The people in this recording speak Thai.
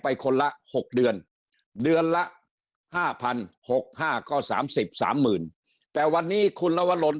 คนละ๖เดือนเดือนละ๕๐๖๕ก็๓๐๓๐๐๐แต่วันนี้คุณลวรน